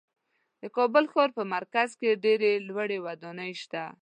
د کابل ښار په مرکز کې ډېرې لوړې ودانۍ شته.